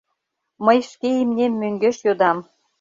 Мый шке имнем мӧҥгеш йодам.